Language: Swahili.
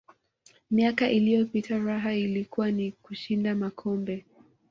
miaka iliyopita raha ilikuwa ni kushinda makombe